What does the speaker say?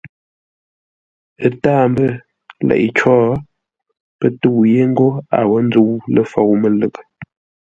Ə́ tâa mbə́ leʼé có, pə́ tə́u yé ńgó a wó ńzə́u ləfôu mə́lə́ghʼə.